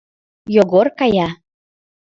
Йогор кая.